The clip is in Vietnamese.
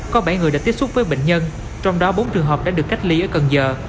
có bảy người đã tiếp xúc với bệnh nhân trong đó bốn trường hợp đã được cách ly ở cần giờ